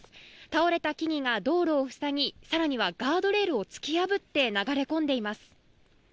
倒れた木々が道路を塞ぎ、さらにはガードレールを突き破って、流れ込んでいます。